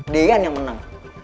deyan yang menang